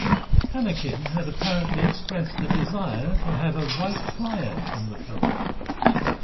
Annakin had apparently expressed a desire to have a Wright Flyer in the film.